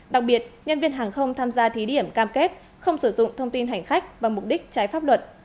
đặc biệt nhân viên hàng không tham gia thí điểm cam kết không sử dụng thông tin hành khách và mục đích trái pháp luật